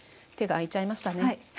手が空いちゃいましたね。